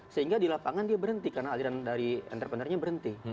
sehingga di lapangan dia berhenti karena aliran dari entrepreneurnya berhenti